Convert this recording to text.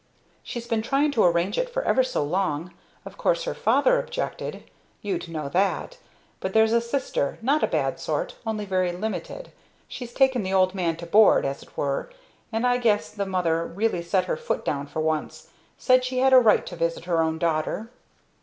"She's been trying to arrange it for ever so long. Of course her father objected you'd know that. But there's a sister not a bad sort, only very limited; she's taken the old man to board, as it were, and I guess the mother really set her foot down for once said she had a right to visit her own daughter!"